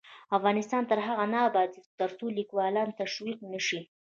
افغانستان تر هغو نه ابادیږي، ترڅو لیکوالان تشویق نشي.